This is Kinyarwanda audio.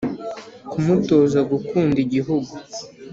kumutoza gukunda igihugu